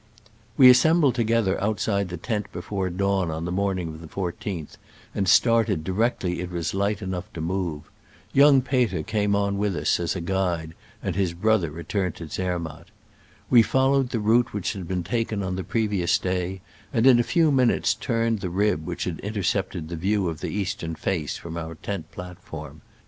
We assembled together outside the tent before dawn on the morning of the 14th, and started directly it was light enough to move. Young Peter came on with us as a guide, and his brother re turned to Zermatt. We followed the route which had been taken on the pre vious day, and in a few minutes turned the rib which had intercepted the view of the eastern face from our tent plat form.